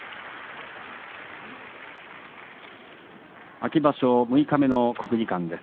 秋場所六日目の国技館です。